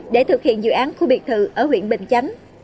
để thực hiện dự án khu biệt thự ở huyện bình chánh